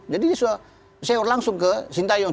jadi dia sudah seo langsung ke shin tae yong